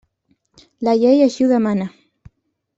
La llei així ho demana.